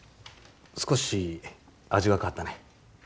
少し味が変わったね。